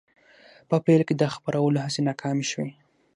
په پیل کې د خپرولو هڅې ناکامې شوې.